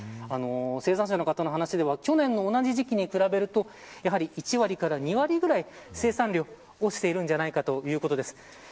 生産者の方の話では去年の同じ時期に比べるとやはり１割から２割ぐらい生産量が落ちているんじゃないかということです。